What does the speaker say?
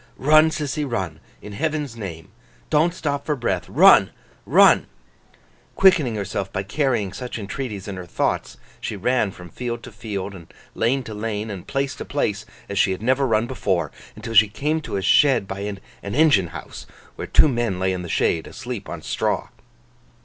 Run, Sissy, run, in Heaven's name! Don't stop for breath. Run, run! Quickening herself by carrying such entreaties in her thoughts, she ran from field to field, and lane to lane, and place to place, as she had never run before; until she came to a shed by an engine house, where two men lay in the shade, asleep on straw.